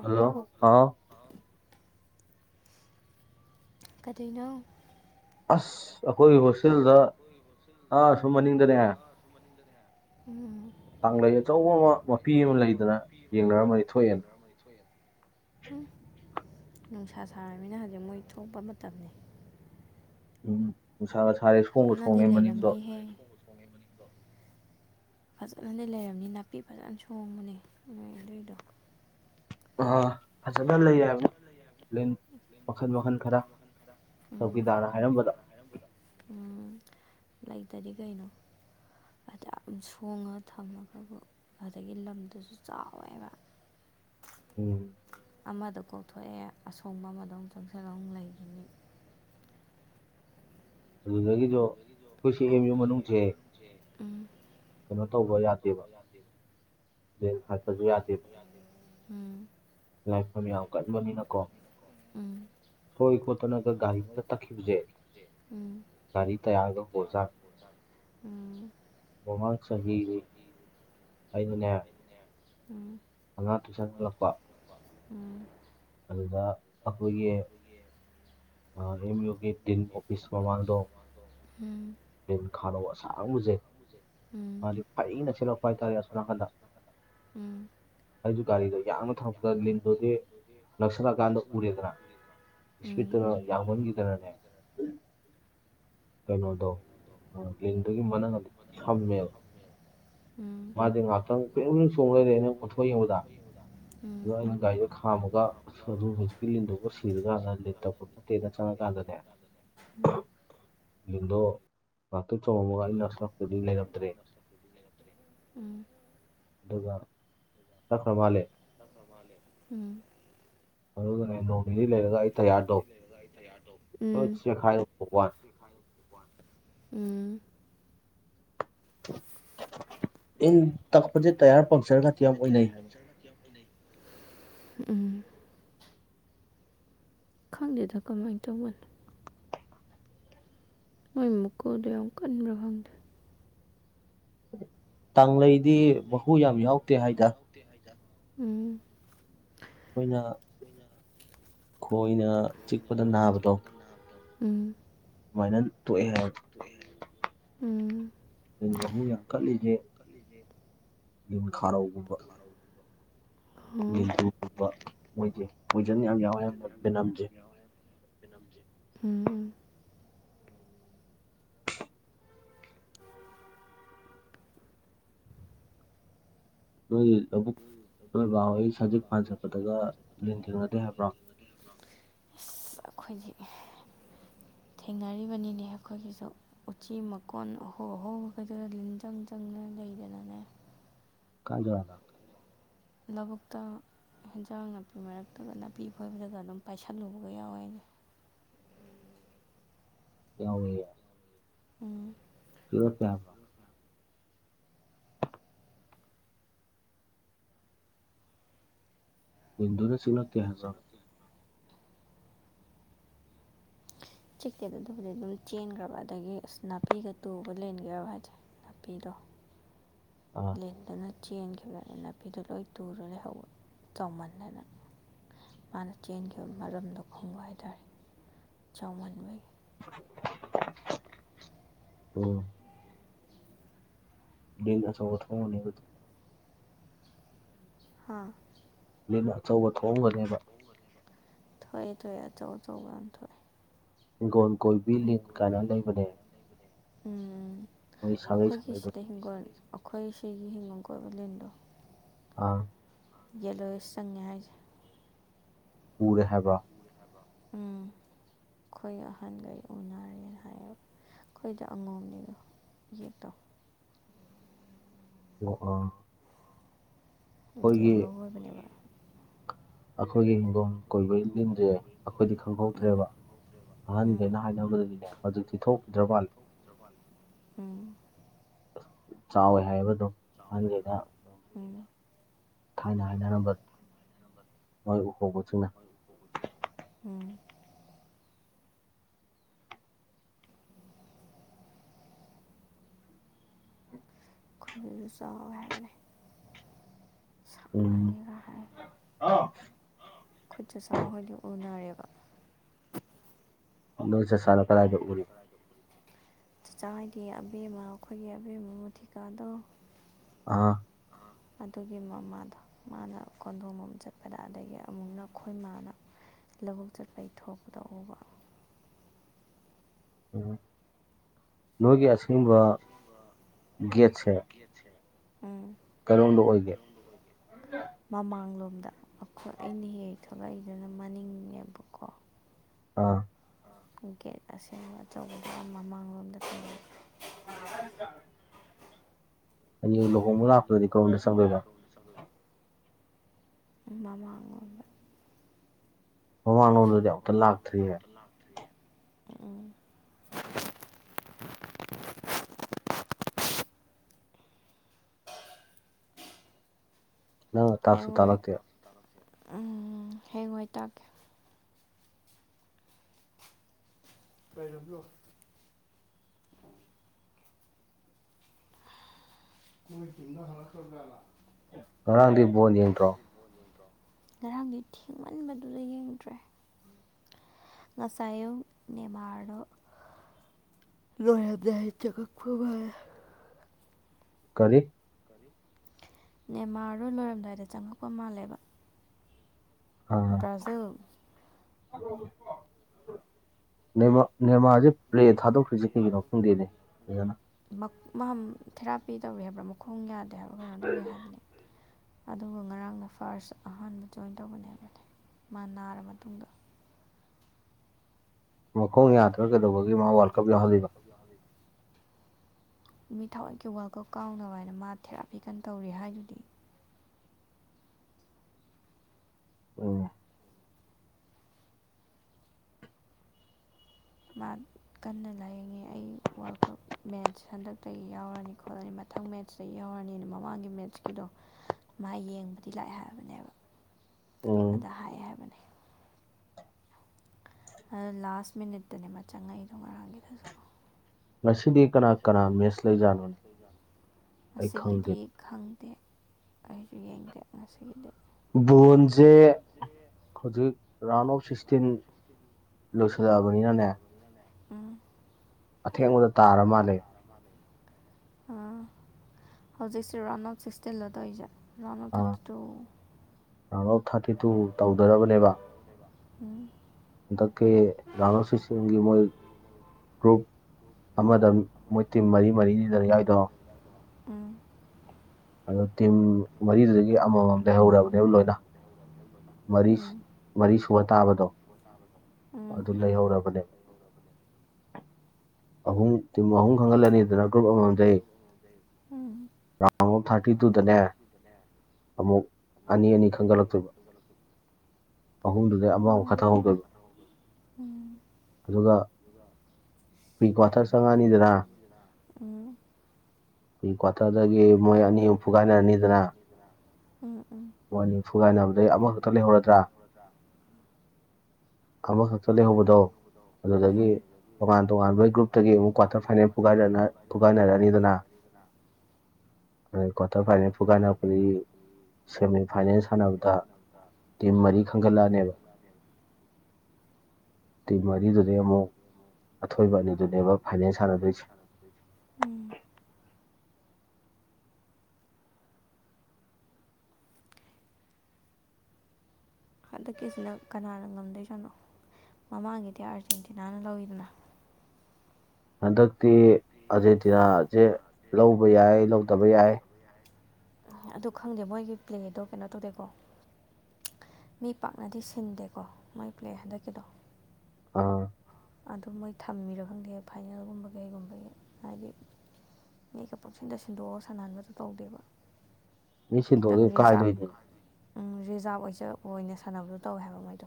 hello ꯑꯥꯎ ꯀꯔꯤꯅꯣ ꯑꯁ ꯑꯩꯈꯣꯏꯒꯤ ꯍꯣꯁꯇꯦꯜꯗ ꯑꯥ ꯁꯨꯝ ꯃꯅꯤꯡꯗꯅꯦ ꯎꯝ ꯇꯥꯡꯂꯩ ꯑꯆꯧꯕ ꯑꯃ ꯃꯄꯤ ꯑꯃ ꯂꯩꯗꯅ ꯌꯦꯡꯅꯔꯝꯃꯅꯤ ꯊꯣꯛꯑꯦꯅ ꯎꯝ ꯅꯨꯡꯁꯥ ꯁꯥꯔꯕꯅꯤꯅ ꯍꯧꯖꯤꯛ ꯃꯣꯏ ꯊꯣꯛꯄ ꯃꯇꯝꯅꯤ ꯎꯝ ꯎꯅꯨꯡꯁꯥ ꯁꯥꯔꯦ ꯁꯣꯡꯕ ꯐꯖꯅꯗꯤ ꯁꯣꯡꯉꯦ ꯃꯅꯤꯡꯗꯣ ꯂꯩꯔꯝꯅꯤꯍꯦ [unintelligible] ꯐꯖꯅꯗꯤ ꯂꯩꯔꯝꯅꯤ ꯅꯥꯄꯤ ꯐꯖꯅ ꯁꯣꯡꯕꯅꯤ ꯅꯣꯏ ꯑꯗꯨꯏꯗꯣ ꯑ ꯐꯖꯅ ꯂꯩꯌꯦꯕ ꯃꯈꯜ ꯃꯈꯜ ꯈꯔ ꯎꯝ ꯁꯧꯀꯤꯗꯥꯅ ꯍꯥꯏꯔꯝꯕꯗ ꯎꯝ ꯂꯩꯇꯗꯤ ꯀꯩꯅꯣ ꯑ ꯌꯥꯝ ꯁꯣꯡꯉ ꯊꯝꯃꯒꯕꯨ ꯑꯗꯨꯗꯒꯤ ꯂꯝꯗꯨꯁꯨ ꯆꯥꯎꯋꯦꯕ [unintelligible] ꯎꯝ ꯑꯃꯗ ꯀꯣꯛꯊꯣꯛꯑꯦ ꯑꯁꯣꯡꯕ ꯑꯃꯗ ꯑꯃꯛ ꯆꯪꯁꯤꯜꯂꯒ ꯑꯃꯨ ꯂꯩꯈꯤꯅꯤ ꯑꯗꯨꯗꯒꯤꯁꯨꯣ ꯑꯩꯈꯣꯏ ꯁꯤꯑꯦꯝꯃꯤꯕ ꯃꯅꯨꯡꯁꯦ ꯎꯝ ꯀꯩꯅꯣ ꯇꯧꯕ ꯌꯥꯗꯦꯕ ꯍꯥꯏ ꯐꯁꯨ ꯌꯥꯗꯦꯕ ꯎꯝ ꯂꯥꯏꯐꯝ ꯌꯥꯝ ꯀꯟꯕꯅꯤꯅꯀꯣ ꯎꯝ ꯁꯣꯏ ꯀꯇꯅꯒ ꯒꯥꯔꯤ ꯃꯔ ꯇꯀꯤꯕꯖꯦ ꯒꯥꯔꯤ ꯇꯌꯥꯥꯡꯗ ꯍꯖꯥꯡ ꯎꯝ ꯃꯃꯜ ꯁꯍꯤꯒꯤ ꯑꯗꯨꯅꯦ ꯎꯝ ꯑꯉꯥꯡ ꯇꯨꯁꯟ ꯈꯂꯛꯄ ꯎꯝ ꯑꯗꯨꯗ ꯑꯩꯈꯣꯏꯒꯤ ꯑꯦꯝ ꯌꯨꯒꯤꯗꯤꯟ ꯑꯣꯐꯤꯁ ꯃꯃꯥꯡꯗ ꯎꯝ ꯎꯝ ꯈꯔꯣ ꯑꯁꯥ ꯃꯁꯦ ꯎꯝ ꯃꯥꯗꯤ ꯐꯩꯅ ꯁꯤꯜꯂꯛꯄ ꯍꯥꯏꯇꯥꯔꯦ ꯑꯁꯅꯥꯈꯜꯂ ꯎꯝ ꯑꯩꯁꯨ ꯒꯥꯔꯤꯗ ꯌꯥꯡꯅ ꯊꯛꯄꯗ ꯂꯤꯟꯗꯨꯗꯤ [unintelligible] ꯀꯩꯅꯣꯗꯣ ꯂꯤꯟꯗꯨꯒꯤ ꯃ ꯑꯗꯤ ꯁꯝꯃꯦꯕ ꯃꯥꯗꯤ ꯉꯥꯏꯍꯥꯛꯇꯪ ꯄ ꯆꯣꯡ ꯂꯩꯔꯦ ꯑ ꯅꯪ ꯑꯣꯊꯣꯛ ꯌꯦꯡꯕꯗ ꯑꯣ ꯑꯩꯅ ꯒꯥꯔꯤꯗ ꯈꯥꯝꯃꯒ ꯑꯗꯨ ꯍꯧꯖꯤꯛꯀꯤ ꯂꯤꯟꯗꯣꯛꯒ ꯁꯤꯔꯒ ꯂꯤꯠ ꯇꯛꯄ ꯐꯠꯇꯦꯅ ꯆꯪꯉ ꯀꯗꯗ ꯎꯝ ꯃꯤꯣ ꯆꯣꯡꯉꯝꯃꯒ ꯑ ꯅꯁꯂꯛꯄꯗꯤ ꯂꯩꯔꯝꯗ꯭ꯔꯦ ꯑꯗꯨꯒ ꯇꯈꯅ ꯐꯦ ꯎꯝ ꯑꯗꯨꯅꯦ ꯅꯣꯡ ꯅꯤꯅꯤ ꯂꯩꯔꯒ ꯑꯩ ꯇꯌꯥꯔ ꯇꯧ ꯎꯝ ꯎꯝ ꯏꯟ ꯀꯛꯄꯁꯦ ꯇꯌꯥꯔ ꯄꯪꯆꯔ ꯈꯇꯤ ꯌꯥꯝ ꯑꯣꯏꯅꯩ ꯍꯥꯏꯕꯅꯤ ꯎꯝ ꯈꯪꯗꯦꯗ ꯀꯃꯥꯏꯅ ꯇꯧꯕꯅꯣ ꯃꯣꯏ ꯃꯨꯀꯨ ꯑꯗ ꯑꯣꯀꯥꯟ ꯔꯍꯣꯡꯗ ꯇꯥꯡꯂꯩꯗꯤ ꯃꯍꯨ ꯌꯥꯝ ꯌꯥꯎꯗꯦ ꯍꯥꯏꯗ ꯎꯝ ꯑꯩꯣꯏꯅ ꯈꯣꯏꯅ ꯆꯤꯛꯄꯗ ꯅꯥꯕꯗꯣ ꯎꯝ ꯑꯗꯨꯃꯥꯏꯅ ꯇ ꯊꯣꯛꯑꯦ ꯍꯥꯏꯔꯁꯨ ꯎꯝ ꯑꯗꯨ ꯌꯥꯝ ꯀꯠꯂꯤꯒꯦ ꯟ ꯈꯥꯔꯧꯒꯨꯝꯕ ꯍꯣ ꯜꯇ ꯀꯄ ꯑꯣꯏꯗꯦ ꯑꯣꯏꯣꯏꯖꯟ ꯌꯥꯝ ꯌꯥꯎꯋꯦ ꯌꯥꯝ ꯅꯝꯁꯦ ꯎꯝ ꯂ ꯥꯎ ꯁꯥꯖ ꯄ ꯍ ꯑꯗꯨꯗꯒ ꯂꯦꯟ ꯊꯦꯡꯅꯗꯦ ꯍꯥꯏꯕ꯭ꯔꯣ ꯑꯩꯈꯣꯏꯒꯤ ꯊꯦꯡꯅꯔꯤꯕꯅꯤꯅꯦ ꯑꯩꯈꯣꯏꯒꯤꯁꯨ ꯎꯆꯤ ꯃꯀꯣꯟ ꯑꯍꯣꯡ ꯑꯍꯣꯡꯕꯈꯩꯗꯨꯗ ꯂꯤꯟꯖꯪ ꯆꯪꯅ ꯀꯩꯗꯅꯅꯦ ꯀꯥꯖꯅ ꯂꯧꯕꯨꯣꯛꯛꯇ ꯏꯟꯖꯥꯡ ꯅꯥꯄꯤ ꯃꯔꯛꯇꯨꯒ ꯅꯥꯄꯤ ꯈꯣꯏꯕꯗꯒ ꯑꯗꯨꯝ ꯄꯥꯏꯁꯜꯂꯨꯕꯒ ꯌꯥꯎꯋꯦ ꯍꯥꯏꯁ ꯌꯥꯋ ꯎꯝ ꯁꯤꯔ ꯀꯌꯥ꯭ꯔ ꯍꯤꯟꯗꯨꯅ ꯆꯅꯠꯇ ꯍꯥꯏ꯭ꯔ ꯆꯤꯛꯀꯦꯗ ꯑꯗꯨꯕꯨꯗꯤ ꯑꯗꯨꯝ ꯆꯦꯟꯈ꯭ꯔꯕ ꯑꯗꯒꯤ ꯑꯁ ꯅꯥꯄꯤꯒ ꯇꯨꯕ ꯂꯦꯟꯒꯦꯕ ꯍꯥꯏꯁꯦ ꯍꯥꯞꯄꯤꯔꯣ ꯑꯥ ꯂꯦꯟꯗꯅ ꯆꯦꯟꯈꯤꯕꯗꯅ ꯅꯥꯄꯤꯗꯣ ꯂꯣꯏ ꯇꯨꯔ ꯂꯩꯍꯧꯕ ꯆꯥꯎꯧꯃꯟꯗꯅ ꯃꯥꯅ ꯆꯦꯟꯈꯤꯕ ꯃꯔꯝꯗꯣ ꯈꯣꯡꯕ ꯍꯥꯏꯇꯥꯔꯦ ꯆꯥꯎꯃꯟꯕꯒꯤ ꯑꯣ ꯂꯩ ꯉꯁꯨ ꯑꯣ ꯊꯅꯤ ꯍꯥꯥ ꯂꯅ ꯑꯆꯧꯕ ꯊꯣꯛꯑꯝꯒꯅꯦꯕ ꯊꯣꯏ ꯊꯣꯏ ꯑ ꯆꯧ ꯆꯧ ꯋꯥ ꯊꯣꯏ ꯍꯤꯡꯒꯣꯜ ꯀꯣꯏꯕꯤ ꯂꯤꯟ ꯀꯥꯏꯅ ꯂꯩꯕꯅꯦ ꯎꯝ ꯃꯣꯏ ꯁꯥꯒꯩ ꯑꯩꯈꯣꯏꯒꯤ ꯁꯥꯒꯩꯗꯣ ꯁꯤꯗ ꯍꯤꯡꯒꯣꯜꯅꯤ ꯑꯩꯈꯣꯏ ꯁꯤꯒꯤ ꯍꯤꯡꯐꯝꯝ ꯀꯣꯏꯕ ꯂꯤꯟꯗꯣ ꯑꯥ ꯌꯦꯜꯂꯣꯏ ꯆꯪꯉꯦ ꯍꯥꯏꯁꯦ ꯎꯔꯦ ꯍꯥꯏꯕ ꯎꯝ ꯑꯩꯈꯣꯏ ꯑꯍꯟꯒꯩ ꯎꯅꯔꯦꯅ ꯍꯥꯏꯌꯦꯕ ꯑꯩꯈꯣꯏꯗ ꯑꯉꯣꯝꯅꯤꯅꯣ ꯌꯦ ꯇꯧ ꯉꯣ ꯂ ꯑꯣꯏꯕꯕ ꯑꯩꯈꯣꯏꯒꯤ ꯍꯤꯡꯒꯣꯝ ꯀꯣꯏꯕ ꯟꯗ꯭ꯔꯦ ꯑꯩꯈꯣꯏꯗꯤ ꯎꯝ ꯈꯪꯍꯧꯇ꯭ꯔꯦꯕ ꯎꯝ ꯐꯪꯍꯟꯒꯦꯅ ꯍꯥꯏꯅꯕꯗꯒꯤꯅꯦ ꯍꯧꯛꯇꯤ ꯊꯣꯛ ꯗ꯭ꯔꯕꯥꯜ ꯎꯝ ꯆꯥꯎꯋꯦ ꯍꯥꯏꯕꯗꯣ ꯑꯍꯟꯁꯤꯅ ꯑꯗꯨꯝ ꯎꯝ ꯊꯥꯏꯅ ꯍꯥꯏꯅꯔꯝꯕ ꯃꯣꯏꯕꯨꯀꯒꯁꯤꯅ ꯎꯝ ꯑꯗꯨ ꯍꯥꯏꯕ ꯎꯝ ꯍꯥꯏ ꯑ ꯈꯨꯠ ꯆ ꯆꯥ ꯍꯣꯏꯗꯤ ꯎꯅꯔꯦꯕ ꯅꯣꯏ ꯆꯥꯆꯥꯗꯣ ꯀꯔꯥꯏꯗ ꯎꯔꯤꯕ ꯆꯥ ꯆꯥ ꯍꯣꯏꯒꯤ ꯑꯕꯦꯝꯃ ꯑꯩꯈꯣꯏꯒꯤ ꯑꯕꯦꯝꯃꯃꯨ ꯊꯤꯀꯥꯗꯣ ꯑꯥ ꯑꯗꯨꯒꯤ ꯃꯃꯥꯗꯣ ꯃꯥꯅ ꯀꯣꯟꯗꯣꯡ ꯑꯃꯝ ꯆꯠꯄꯗ ꯑꯗꯒꯤ ꯑꯃꯨꯛꯅ ꯈꯈꯣꯏꯃꯥꯅ ꯂꯧꯕꯨꯛ ꯆꯠꯄꯒꯤ ꯊꯣꯛꯄꯗ ꯎꯕ ꯎ ꯅꯣꯏꯒꯤ ꯑꯁꯤꯒꯨꯝꯕ ꯒꯦꯠꯁꯦ ꯎꯝ ꯀꯩꯔꯣꯝꯗ ꯑꯣꯏꯒꯦ ꯃꯃꯥꯡꯂꯣꯝꯗ ꯑꯩꯈꯣꯏ ꯑꯩꯅ ꯍꯦꯛ ꯍꯦꯛ ꯊꯂꯏꯗꯨꯅ ꯃꯅꯤꯡꯂꯣꯝꯅꯦꯕꯀꯣ ꯑꯥ ꯒꯦꯠ ꯑꯁꯦꯡꯕ ꯑꯆꯧꯕꯗꯨꯅ ꯃꯃꯥꯡꯂꯣꯝꯗ ꯊꯣꯏ [unintelligible] [inaudible] ꯑꯗꯨꯗꯤ ꯂꯨꯍꯣꯡꯕ ꯂꯛꯄꯗꯗꯤ ꯀꯔꯣꯝ ꯆꯪꯗꯣꯏꯕ ꯃꯃꯥꯡꯂꯣꯝꯗ ꯃꯃꯥꯡꯂꯣꯗꯗꯤ ꯑꯃꯨꯛꯇ ꯂꯥꯛꯇ꯭ꯔꯤꯌꯦ ꯎꯝ ꯅꯪ ꯇꯥꯛꯁꯨ ꯍꯌꯦꯡꯋꯥꯏ ꯇꯥꯛꯂꯛꯇꯦ ꯎꯝ ꯍꯌꯦꯡꯋꯥꯏ ꯇꯥꯥꯛꯀꯦ ꯀꯩ ꯂꯝꯅꯣ [unintelligible] ꯀꯣꯏ ꯇꯅ ꯍꯂꯛꯈꯔꯖꯠꯂꯥ [unintelligible] ꯉꯔꯥꯡꯗꯤ ꯕꯣꯟ ꯌꯦꯡꯗ꯭ꯔꯣ ꯉꯔꯥꯡꯗꯤ ꯊꯦꯡꯃꯟꯕꯗꯨꯗ ꯌꯦꯡꯗ꯭ꯔꯦ ꯉꯁꯥꯏꯌꯨꯛ ꯅꯦꯃꯔꯣꯗꯣ ꯂꯣꯏꯔꯝꯗꯥꯏ ꯆꯪꯉꯛꯄ ꯃꯥꯜꯂꯦ ꯀꯥꯔꯤ ꯅꯦꯃꯥꯥꯔꯗꯣ ꯂꯣꯏꯔꯝꯗꯥꯏꯗ ꯆꯪꯉꯛꯄ ꯃꯥꯜꯂꯦꯕ ꯕ꯭ꯔꯥꯖꯤꯜ ꯅꯦꯃꯥꯔ ꯈꯪꯗꯦꯅꯦ ꯐꯖꯅ [unintelligible] ꯃꯥ ꯊꯦꯔꯥꯄꯤ ꯇꯧꯋ ꯍꯥꯏꯕ꯭ꯔꯥ ꯃꯈꯣꯡ ꯌꯥꯗꯦ ꯍꯥꯏꯕ꯭ꯔꯥ ꯀꯩꯅꯣ ꯑꯗꯨꯒꯤ ꯍꯥꯏꯕꯅꯦ ꯑꯗꯨꯒ ꯉꯔꯥꯡꯅ ꯐꯥꯔꯁ ꯑꯍꯥꯟꯕ ꯖꯣꯏꯟ ꯇꯧꯕꯅꯦ ꯍꯥꯏꯕꯅꯦ ꯃꯥ ꯅꯥꯔꯕ ꯃꯇꯨꯡꯗ ꯃꯈꯣꯡ ꯌꯥꯗ꯭ꯔꯥ ꯀꯩꯗꯧꯕꯒꯤ ꯃꯥ ꯋꯥꯔꯜ ꯀꯞ ꯌꯥꯎꯍꯜꯂꯤꯕ ꯅꯨ ꯃꯤ ꯊꯋꯥꯠꯀꯤ ꯋꯥꯔꯜ ꯀꯞ ꯀꯥꯎꯅꯕ ꯍꯥꯏꯅ ꯃꯥ ꯊꯦꯔꯥꯄꯤ ꯀꯟꯅ ꯇꯧꯔꯤ ꯍꯥꯏꯗꯨꯗꯤ ꯑꯣ ꯃꯥ ꯀꯟꯅ ꯂꯥꯏꯌꯦꯡꯉꯤ ꯑꯩ ꯋꯥꯔꯜ ꯀꯞ ꯃꯦꯠꯆ ꯍꯟꯗꯛꯇꯒꯤ ꯌꯥꯎꯔꯅꯤ ꯈꯣꯠꯂꯅꯤꯅ ꯃꯠ ꯃꯊꯪ ꯃꯦꯠꯁꯇꯩ ꯌꯧꯔꯅꯤꯅ ꯃꯃꯥꯡꯒꯤ ꯃꯦꯠꯁꯀꯤꯗꯣ ꯃꯥ ꯌꯦꯡꯕꯗꯤ ꯂꯥꯛꯑꯦ ꯍꯥꯏꯕꯅꯦꯕ ꯎꯝ ꯑꯗ ꯍꯥꯏ ꯍꯥꯏꯕꯅꯦ ꯂꯥꯁ ꯃꯤꯅꯤꯠꯇꯅꯦ ꯃꯥ ꯆꯪꯉꯛꯏꯗꯣ ꯉꯔꯥꯡꯒꯤꯗꯨꯁꯨ ꯉꯁꯤꯗꯤ ꯀꯅꯥ ꯀꯅꯥ ꯃꯦꯠꯁ ꯂꯩꯖꯥꯠꯅꯣꯅꯦ ꯑꯩ ꯈꯪꯗꯦ ꯑꯁꯤꯒꯤꯗꯤ ꯈꯪ ꯗꯦ ꯑꯩꯁꯨ ꯌꯦꯡꯗꯦ ꯉꯁꯤꯒꯤꯗꯤ ꯕꯣꯟꯁꯦ ꯍꯧꯖꯤꯛ ꯔꯅꯣꯞ ꯁꯤꯛꯁꯇꯤꯟ ꯂꯣꯏꯁꯤꯜꯂꯛꯑꯕꯅꯤꯅꯅꯦ ꯎꯝ ꯑꯊꯦꯡꯕꯗ ꯇꯥꯔ ꯃꯥꯜꯂꯦ ꯑ ꯍꯧꯖꯤꯛꯁꯤ ꯔꯥꯎꯟ ꯑꯥꯎꯠ ꯁꯤꯛꯁꯇꯤꯟ ꯂꯣ ꯇꯧꯏꯖꯦ round of ah thirty two round of thirty two ꯇꯧꯗꯔꯕꯅꯦꯕ ꯎꯝ ꯍꯟꯗꯛꯀꯤ ꯔꯥꯎꯟ ꯑꯣꯞ ꯁꯤꯛꯁꯇꯤꯟꯒꯤ ꯃꫭꯏ ꯒ꯭ꯔꯨꯞ ꯑꯃꯗ ꯃꯣꯏ ꯇꯤꯝ ꯃꯔꯤ ꯃꯔꯤꯅꯤꯗꯅ ꯌꯥꯎꯔꯤꯗꯣ ꯎꯝ ꯑꯗꯨ ꯇꯤꯝ ꯃꯔꯤꯗꯨꯗꯒꯤ ꯑꯃꯃꯝ ꯂꯩ ꯍꯧꯔꯕꯅꯦꯕ ꯂꯣꯏꯅ ꯃꯔꯤ ꯎꯝ ꯃꯔꯤ ꯁꯨꯕ ꯇꯥꯕꯗꯣ ꯑꯗꯨ ꯂꯩꯍꯧꯔꯕꯅꯦꯕ ꯑꯍꯨꯝ ꯇꯤꯝ ꯑꯍꯨꯝ ꯈꯪꯒꯠꯂꯅꯤ ꯗꯅ ꯒ꯭ꯔꯨꯞ ꯑꯃꯃꯝꯗꯒꯤ ꯎꯝ ꯎꯝ ꯔꯥꯎꯣꯟ ꯑꫭꯞ ꯊꯥꯔꯇꯤ ꯇꯨꯗꯅꯦ ꯑꯃꯨꯛ ꯑꯅꯤ ꯑꯅꯤ ꯈꯟꯒꯠꯂꯛꯇꯣꯏꯕ ꯑꯍꯨꯝꯗꯨꯗꯩ ꯑꯃ ꯑꯃꯨꯛ ꯑꯣ ꯈꯠꯊꯥꯍꯧꯗꫭꯏꯕ ꯎꯝ ꯑꯗꯨꯒ ꯄꯔꯤ ꯀ꯭ꯋꯥꯇꯔ ꯆꯪꯉꯥꯛꯑꯅꯤꯗꯅ ꯎꯝ ꯄꯔꯤ ꯀ꯭ꯋꯥꯇꯔꯗꯒꯤ ꯃꯣꯏ ꯑꯅꯤꯃꯨ ꯐꯨꯒꯥꯏꯅꯔꯅꯤꯗꯅ ꯎꯝ ꯎꯝ ꯃꫭꯏꯅꯤ ꯐꯨꯒꯥꯏꯅꯕꯗꯒꯤ ꯑꯃꯈꯛꯇ ꯂꯩꯍꯧꯔꯗ꯭ꯔꯥ ꯑꯃꯈꯛꯇ ꯂꯩꯍꯧꯕꯗꯣ ꯑꯗꯨꯗꯒꯤ ꯎꯝ ꯇꯣꯉꯥꯟ ꯇꯣꯉꯥꯟꯕ ꯒ꯭ꯔꯨꯞꯇꯒꯤ ꯑꯃꯨꯛ ꯀ꯭ꯋꯥꯔꯇꯔ ꯐꯥꯏꯅꯦꯜ ꯄꯣꯒꯥꯏꯅꯔꯛꯑꯅꯤꯗꯅ ꯑꯗꯩ ꯀ꯭ꯋꯥꯇꯔ ꯐꯥꯏꯅꯤ ꯐꯨꯒꯥꯏꯅꯔꯛꯄꯗꯩꯏ ꯁꯦꯃꯤꯐꯥꯏꯅꯦꯜ ꯁꯥꯟꯅꯕꯗ ꯇꯤꯝ ꯃꯔꯤ ꯈꯟꯒꯠꯂꯛꯑꯅꯦꯕ ꯇꯤꯝ ꯑꯅꯤꯗꯨꯅꯦ ꯑꯃꯨꯛ ꯑꯊꯣꯏꯕ ꯑꯅꯤꯗꯨꯅꯦꯕ ꯐꯥꯏꯅꯦꯜ ꯁꯥꯟꯅꯗꯣꯏꯁꯦ ꯎꯝ ꯍꯟꯗꯛꯀꯤꯁꯤꯅ ꯀꯅꯥꯅ ꯉꯝꯗꯣꯏꯖꯥꯠꯅꯣ ꯃꯃꯥꯡꯒꯤꯗꯤ ꯑꯥꯔꯖꯦꯟꯇꯤꯅꯥꯅ ꯂꯧꯋꯤꯗꯅ ꯍꯟꯗꯛꯇꯤ ꯑꯥꯔꯖꯦꯟꯇꯤꯅꯥꯁꯦ ꯂꯧꯕ ꯌꯥꯏ ꯂꯧꯗꯕ ꯌꯥꯏ ꯑꯗꯨ ꯈꯪꯗꯦ ꯃꯣꯏꯒꯤ ꯄ꯭ꯂꯦꯗꯣ ꯀꯩꯅꯣ ꯇꯧꯗꯦꯀꯣ ꯃꯤ ꯄꯥꯛꯅꯗꯤ ꯁꯤꯟꯗꯦꯀꯣ ꯃꯣꯏ ꯄ꯭ꯂꯦ ꯍꯟꯗꯛꯀꯤꯗꯣ ꯑꯥ ꯑꯗꯨ ꯃꯣꯏ ꯊꯝꯃꯤꯔꯣ ꯈꯪꯗꯦ ꯐꯥꯏꯅꯦꯜꯒꯨꯝꯕ ꯀꯩꯒꯨꯝꯕꯒꯤ ꯍꯥꯏꯗꯤ ꯃꯒ ꯄꯛꯁꯤꯟꯗ ꯁꯤꯟꯗꯣꯛꯑꯣ ꯁꯥꯟꯅꯥꯟꯕꯗꯨꯣ ꯇꯧꯗꯦꯕ ꯃꯤ ꯁꯤꯗꯣ ꯑꯗꯨ ꯀꯥꯏꯗꯅꯦ ꯎꯝ ꯔꯤꯖꯥꯕ ꯑꯣꯏꯅ ꯁꯥꯟꯅꯕꯗꯣ ꯇꯧꯋꯦ ꯍꯥꯏꯕ ꯃꯣꯏꯗꯣ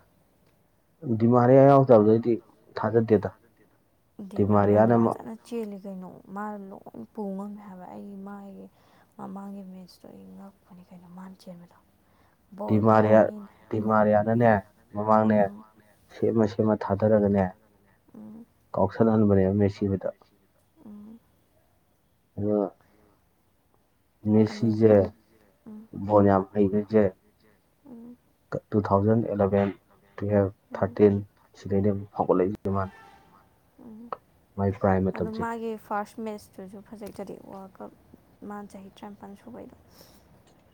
ꯗꯤꯃꯥꯟ ꯍꯩ ꯑ ꯌꯥꯎꯗꯕꯗꯩꯗꯤ ꯊꯥꯖꯗꯦꯗ ꯗꯤꯃꯔ ꯌꯥ ꯗꯤꯃꯥꯔꯤꯌꯥꯅ ꯐꯇꯥ ꯅ ꯆꯤ ꯀꯩꯅꯣ ꯃꯥꯅ ꯂꯣꯏ ꯄꯨ ꯉꯝꯃꯦ ꯍꯥꯏꯕ ꯑꯩ ꯃꯥꯒꯤ ꯃꯃꯥꯡꯒꯤ ꯃꯦꯁꯇꯣ ꯑꯩ ꯉꯛꯄꯅꯦ ꯀ ꯀꯩꯅꯣ ꯃꯥꯅ ꯆꯦꯟꯕꯗꯣ ꯕꯣꯜꯗꯣ ꯍꯦꯛ ꯗꯤꯃꯥꯔꯤꯌꯥ ꯃꯤꯅ ꯗꯤꯃꯥꯔꯤꯌꯥꯅꯅꯦ ꯃꯃꯥꯡꯅꯦ ꯎꯝ ꯁꯦꯝꯃ ꯁꯦꯝꯃ ꯊꯥꯗꯔꯒꯅꯦ ꯎꯝ ꯀꯥꯎꯁꯜꯍꯟꯕꯅꯦꯕ ꯃꯦ ꯁꯤꯕꯗ ꯑꯣ ꯑ ꯑꯗꯨ ꯃꯤꯁꯤꯖꯦ ꯎꯝ ꯅꯤꯌꯥꯝꯝ ꯍꯩꯒꯖꯦ ꯎꯝ two thousand eleven twelve um thirteen ꯁꯤꯗꯩꯗꯤ ꯑꯃꯨꯛ ꯐꯥꯎꯒꯠꯂꯛꯏꯁꯤ ꯃꯥꯅ ꯎꯝ ꯃꯥꯏ ꯄ꯭ꯔꯥꯏꯝ ꯑꯗꯨꯗꯣ ꯃꯇꯝꯁꯦ ꯃꯥꯒꯤ ꯐꯥꯔꯁ ꯃꯦꯠꯁꯇꯨꯁꯨ ꯐꯖꯩ ꯐꯗꯤꯦꯛ ꯋꯥꯕ ꯃꯥ ꯆꯍꯤ ꯇꯔꯥꯅꯤꯄꯥꯟ ꯁꯨꯕꯩꯗꯣ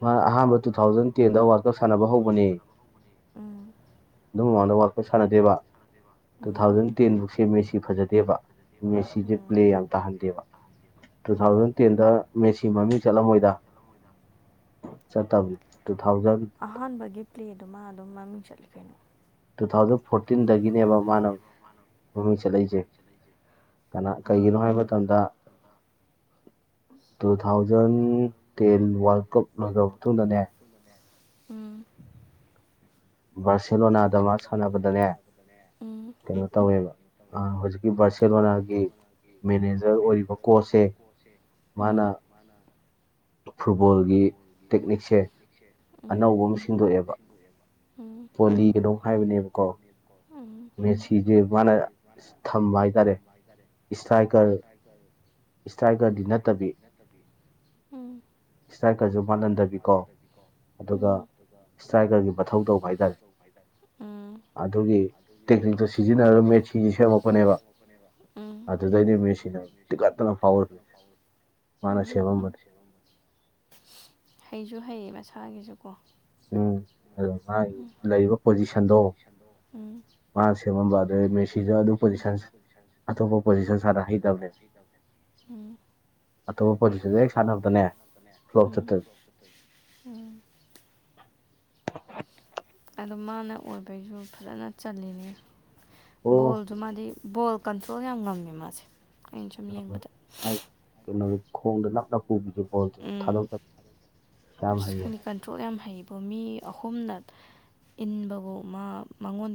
ꯃꯥ ꯑꯍꯥꯟꯕ ꯇꯨ ꯊꯥꯎꯖꯟ ꯇꯦꯟꯗ ꯋꯥꯔꯜ ꯀꯞ ꯁꯥꯟꯅꯕ ꯍꯧꯕꯅꯦ ꯎꯝ ꯑꯗꯨ ꯃꯃꯥꯡꯗ ꯋꯥꯋꯥꯛꯄ ꯁꯥꯟꯅꯗꯦꯕ ꯇꯨ ꯎꯝ ꯊꯥꯎꯖꯟ ꯇꯦꯟꯐꯧꯛꯁꯦ ꯃꯦꯁꯤ ꯐꯖꯗꯦꯕ ꯉꯦꯁꯤꯁꯦ ꯎꯝ ꯄ꯭ꯂꯦ ꯌꯥꯝ ꯇꯥꯍꯟꯗꯦꯕ ꯇꯨ ꯎꯝ ꯊꯥꯎꯖꯟ ꯇꯦꯟꯗ ꯃꯦꯁꯤ ꯃꯃꯤꯡ ꯆꯠꯂꯝꯃꯣꯏꯗ ꯆꯠꯇꯕꯤ ꯑꯍꯥꯟꯕꯒꯤ ꯄ꯭ꯂꯦꯗꯨꯃ ꯑꯗꯨꯝ ꯃꯃꯤꯡ ꯆꯠꯂꯤ ꯀꯩꯅꯣ ꯇꯨ ꯊꯥꯎꯖꯟ ꯐꯣꯔꯇꯤꯟꯗꯒꯤꯅꯦꯕ ꯃꯥꯅ ꯃꯃꯤꯡ ꯆꯠꯂꯛꯏꯁꯦ ꯀꯅꯥ ꯎꯝ ꯀꯩꯒꯤꯅꯣ ꯍꯥꯏꯕ ꯃꯇꯝꯗ two thousand ten world cup ꯂꯣꯏꯈ꯭ꯔꯕ ꯃꯇꯨꯡꯗꯅꯦ ꯎꯝ ꯕꯥꯔꯁꯦꯂꯣꯅꯥꯗ ꯃꯥ ꯁꯥꯟꯅꯕꯗꯅꯦ ꯎꯝ ꯀꯩꯅꯣ ꯇꯧꯋꯦꯕ ꯍꯧꯖꯤꯛꯀꯤ ꯕꯥꯔꯁꯦꯂꯣꯅꯥꯒꯤ ꯃꯦꯅꯦꯖꯔ ꯑꯣꯏꯔꯤꯕ ꯀꯣꯁꯁꯦ ꯃꯥꯅ ꯎꯝ ꯑ ꯐꯨꯠꯕꯣꯜꯒꯤ ꯇꯦꯛꯅꯤꯛꯁꯦ ꯎꯝ ꯎꯝ ꯑꯅꯧꯕ ꯑꯃ ꯁꯤꯦꯡꯗꯣꯛꯑꯦꯕ ꯎꯝ ꯄꯣꯂꯤꯒꯅꯣ ꯍꯥꯏꯕꯅꯦꯕꯀꯣ ꯃꯦꯁꯤꯦ ꯃꯥꯅ ꯊꯝꯕꯥ ꯍꯥꯏꯇꯥꯔꯦ ꯏꯁꯇ꯭ꯔꯥꯏꯀꯔ ꯏꯁꯇ꯭ꯔꯥꯏꯀꯔꯗꯤ ꯅꯠꯇꯕꯤ ꯎꯝ ꯏꯁꯇ꯭ꯔꯥꯏꯀꯔꯁꯨ ꯏꯁꯥꯏ ꯈꯔꯁꯨ ꯃꯥꯜꯍꯟꯗꯕꯤꯀꯣ ꯃꯥꯟꯅꯟꯗꯕꯤꯀꯣ ꯎ ꯑꯗꯨꯒ ꯏꯁꯇ꯭ꯔꯥꯏꯀꯔꯒꯤ ꯏꯁꯥꯏ ꯃꯊꯧ ꯈꯔꯁꯨ ꯇꯧꯕ ꯃꯊꯧ ꯍꯥꯏꯇꯥꯔꯦ ꯇꯧꯕ ꯍꯥꯏꯇꯥꯔꯦ ꯑꯗꯨꯒꯤ ꯇꯦꯛꯅꯤꯛꯇꯣ ꯁꯤꯖꯤꯟꯅꯔꯒ ꯃꯦꯁꯤꯁꯤ ꯁꯦꯝꯃꯛꯄꯅꯦꯕ ꯑꯗꯨ ꯑꯗꯨꯗꯩꯅꯦ ꯃꯦꯁꯤꯅ ꯇꯤꯀꯠꯇꯅ ꯐꯥꯎꯁꯦ ꯃꯥꯅ ꯎꯝ ꯁꯦꯝꯃꯝꯕꯅꯤ ꯍꯩꯁꯨ ꯍꯩꯌꯦ ꯃꯁꯥꯒꯤꯁꯨꯀꯣ ꯑꯣ [inaudible] ꯃꯥꯒꯤ ꯎꯝ ꯂꯩꯔꯤꯕ ꯄꯣꯖꯤꯁꯟꯗꯣ ꯎꯝ ꯃꯥꯅ ꯁꯦꯝꯃꯝꯕ ꯑꯗꯨꯩ ꯃꯦꯁꯤꯁꯨ ꯑꯗꯨ ꯄꯣꯖꯤꯁꯟ ꯑꯇꯣꯞꯄ ꯄꯣꯖꯤꯁꯟ ꯁꯥꯗ ꯍꯩꯇꯕꯅꯦ ꯎꯝ ꯑꯇꯣꯞꯄ ꯄꯣꯖꯤꯁꯟꯁ ꯍꯦꯛ ꯁꯥꯟꯅꯕꯗꯅꯦ ꯐ꯭ꯂꯣꯞ ꯎꯝ ꯆꯠꯇꯣꯏ ꯎꯝ [unintelligible] ꯑꯗꯨ ꯃꯥꯅ ꯑꯣꯏꯕꯒꯤꯁꯨ ꯐꯖꯅ ꯆꯜꯂꯤꯅꯤ ꯑꯣ ꯕꯣꯜꯁꯨ ꯃꯥꯗꯤ ꯕꯣꯜ ꯀꯟꯇ꯭ꯔꯣꯜ ꯌꯥꯝ ꯉꯝꯃꯦ ꯃꯥꯁꯦ ꯑꯩꯅ ꯁꯨꯝ ꯌꯦꯡꯕꯗ ꯃꯥꯒꯤ ꯀꯩꯅꯣ ꯈꯣꯡꯗ ꯅꯞꯅ ꯄꯨꯕꯤꯗꯣ ꯕꯣꯜ ꯎꯝ ꯊꯥꯗꯣꯛꯇꯥ ꯌꯥꯝ ꯑꯁ ꯍꯩꯌꯦ ꯈꯪꯗꯦ ꯀꯟꯇ꯭ꯔꯣꯜ ꯌꯥꯝ ꯍꯩꯕꯣ ꯃꯤ ꯑꯍꯨꯝꯅ ꯏꯟꯕꯕꯨ ꯃꯥ ꯃꯉꯣꯟꯗꯤ